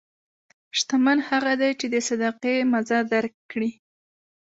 شتمن هغه دی چې د صدقې مزه درک کړي.